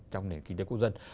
trong nền kinh tế quốc dân